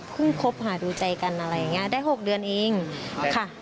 คบหาดูใจกันอะไรอย่างนี้ได้๖เดือนเองค่ะ